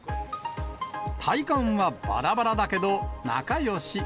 体感はばらばらだけど、仲よし。